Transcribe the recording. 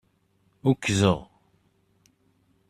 Ukzɣ